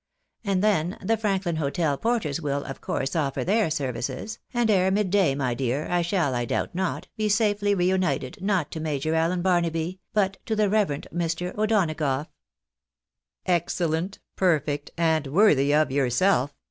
And then, the Franklin hotel porters will, of course, offer their services, and ere midday, my dear, I shall, I doubt not, be safely reunited, not to Major Alien Barnaby, but to the reverend Mr. U'Dona gough." "Excellent, perfect, ant^ worthy of yourself